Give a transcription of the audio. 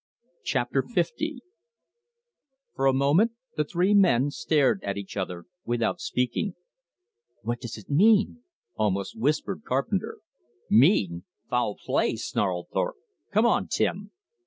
Chapter L For a moment the three men stared at each other without speaking. "What does it mean?" almost whispered Carpenter. "Mean? Foul play!" snarled Thorpe. "Come on, Tim."